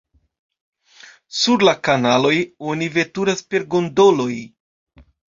Sur la kanaloj oni veturas per gondoloj.